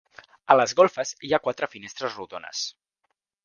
A les golfes hi ha quatre finestres rodones.